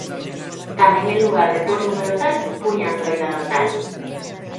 Tamén en lugar de pór número tal, puña Antroidada tal.